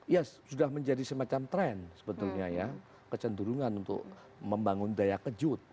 ya sudah menjadi semacam tren sebetulnya ya kecenderungan untuk membangun daya kejut